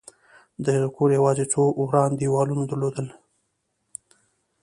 د هغه کور یوازې څو وران دېوالونه درلودل